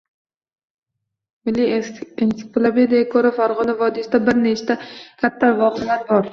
Milliy ensiklopediyaga koʻra, Fargʻona vodiysida bir nechta katta vohalar bor